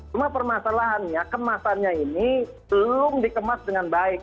cuma permasalahannya kemasannya ini belum dikemas dengan baik